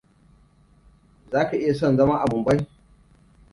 Zaka iya son zama a Mumbai?